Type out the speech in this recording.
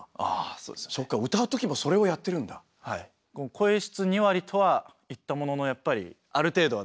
声質２割とは言ったもののやっぱりある程度は大事なので。